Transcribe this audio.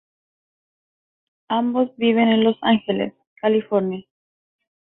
Ambos viven en Los Ángeles, California.